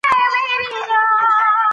د غږ د اورېدو لپاره پوره پاملرنه وکړه.